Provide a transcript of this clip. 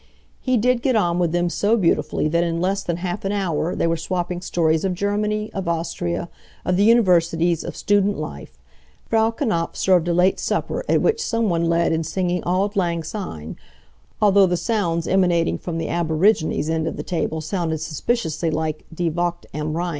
He did get on with them so beautifully that in less than half an hour they were swapping stories of Germany, of Austria, of the universities, of student life. Frau Knapf served a late supper, at which some one led in singing Auld Lang Syne, although the sounds emanating from the aborigines' end of the table sounded suspiciously like Die Wacht am Rhein.